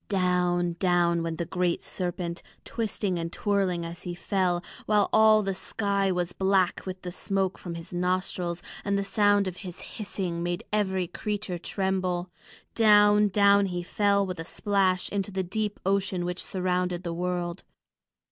Down, down went the great serpent, twisting and twirling as he fell, while all the sky was black with the smoke from his nostrils, and the sound of his hissing made every creature tremble. Down, down he fell with a great splash into the deep ocean which surrounded the world.